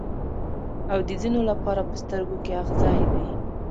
او د ځینو لپاره په سترګو کې اغزی دی.